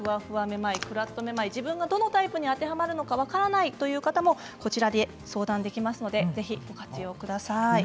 めまいクラッとめまい自分がどのタイプに当てはまるのか分からないという方もこちらで相談できますので、ぜひご活用ください。